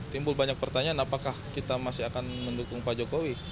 timbul banyak pertanyaan apakah kita masih akan mendukung pak jokowi